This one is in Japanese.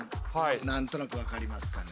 何となく分かりますかね？